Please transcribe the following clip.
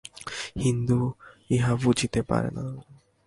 হিন্দু ইহা বুঝিতে পারে না।